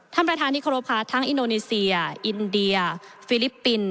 ท่านประธานที่เคารพค่ะทั้งอินโดนีเซียอินเดียฟิลิปปินส์